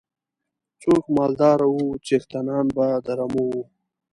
څوک مالدار وو څښتنان به د رمو وو.